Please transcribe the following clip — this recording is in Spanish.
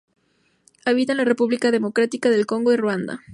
Habita en la República Democrática del Congo y Ruanda.